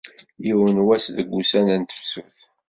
Yiwen n wass deg wussan n tefsut.